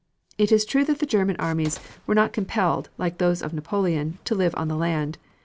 It is true that the German armies were not compelled, like those of Napoleon, to live on the land.